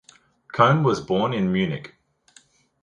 Kohn was born in Munich.